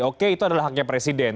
oke itu adalah haknya presiden